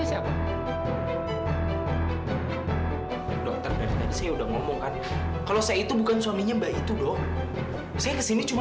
saya udah ngomongkan kalau saya itu bukan suaminya mbak itu dong saya kesini cuma